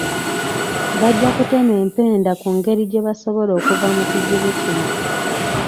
Bajja kutema empenda ku ngeri gye basobola okuva mu kizibu kino.